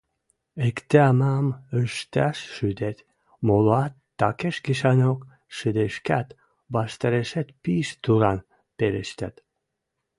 Иктӓ-мам ӹштӓш шӱдет молоат, такеш гишӓнок шӹдешкӓт, ваштарешет пиш туран пелештӓт